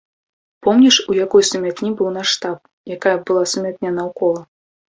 Помніш, у якой сумятні быў наш штаб, якая была сумятня наўкола?